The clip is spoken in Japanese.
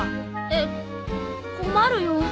えっ困るよ。